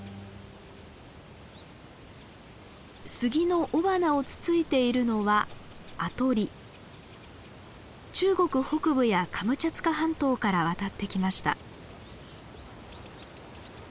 スギの雄花をつついているのは中国北部やカムチャツカ半島から渡ってきました。